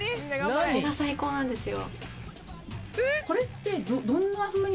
それが最高なんですよ